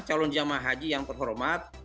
calon jamaah haji yang berhormat